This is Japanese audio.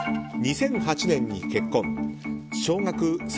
２００８年に結婚。